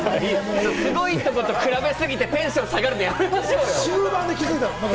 すごいところと比べすぎて、テンション下がるのやめてください。